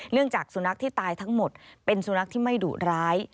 จากสุนัขที่ตายทั้งหมดเป็นสุนัขที่ไม่ดุร้าย